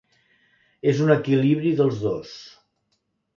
És un equilibri dels dos.